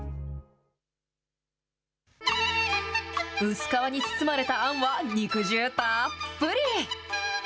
薄皮に包まれたあんは肉汁たっぷり。